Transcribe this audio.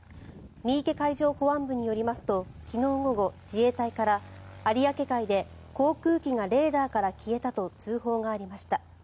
三池海上保安部によりますと昨日午後、自衛隊から有明海で航空機がレーダーから消えたと通報がありました。